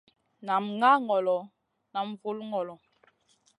Nam ŋah ŋolo nam vul ŋolo.